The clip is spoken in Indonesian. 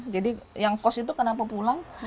jadi yang kos itu kenapa pulang